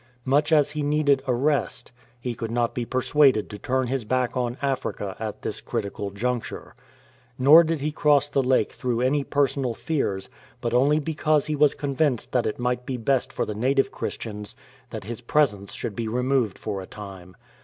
Much as he needed a rest, he could not be persuaded to turn his back on Africa at this critical juncture. Nor did he cross the lake through any personal fears, but only because he was convinced that it might be best for the native Christians that his presence should be removed for a time.